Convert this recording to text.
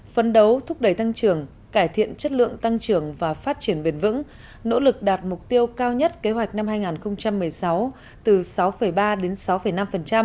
phấn đấu thúc đẩy tăng trưởng cải thiện chất lượng tăng trưởng và phát triển bền vững nỗ lực đạt mục tiêu cao nhất kế hoạch năm hai nghìn một mươi sáu từ sáu ba đến sáu năm